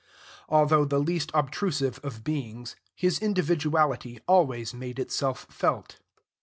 Although the least obtrusive of beings, his individuality always made itself felt.